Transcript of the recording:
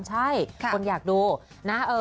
ใช่คนอยากดูนะ